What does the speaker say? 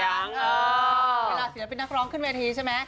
เวลาเสียงเป็นนักร้องขึ้นเวทีใช่ไหม